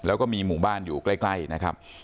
แล้วก็มีหมู่บ้านอยู่ใกล้นะครับ